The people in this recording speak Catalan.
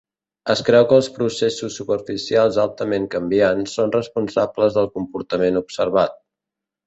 Es creu que els processos superficials altament canviants són responsables del comportament observat.